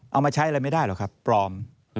เอามาใช้อะไรไม่ได้หรอกครับปลอม